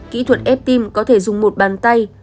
kỹ thuật ép tim có thể dùng một bàn tay